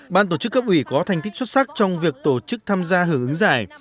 ban tổ chức cấp ủy có thành tích xuất sắc trong việc tổ chức tham gia hưởng ứng giải